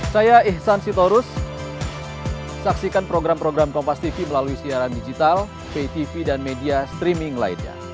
saya karisma nengtyas pamit undur diri